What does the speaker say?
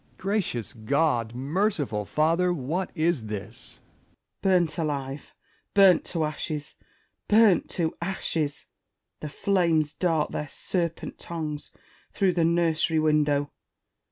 Gracious God ! Merciful Father ! what is this 1 Spenser. Burnt alive 1 burnt to ashes ! burnt to ashes ! The flames dart their serpent tongues through the nursery window.